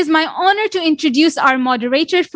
saya ingin memperkenalkan moderator kami